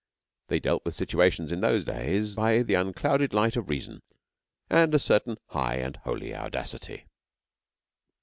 They dealt with situations in those days by the unclouded light of reason and a certain high and holy audacity.